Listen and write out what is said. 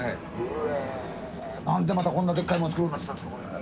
なんでまたこんなでっかいの作るようになったんですか、これ。